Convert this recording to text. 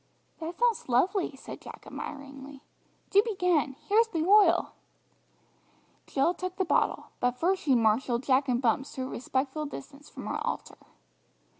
"That sounds lovely," said Jack admiringly. "Do begin, here's the oil!" Jill took the bottle, but first she marshalled Jack and Bumps to a respectful distance from her altar.